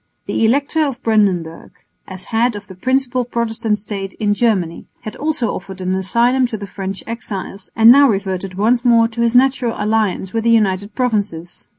The Elector of Brandenburg, as head of the principal Protestant State in Germany, had also offered an asylum to the French exiles and now reverted once more to his natural alliance with the United Provinces.